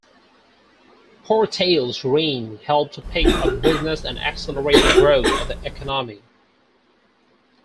Portales' reign helped to pick up business and accelerate the growth of the economy.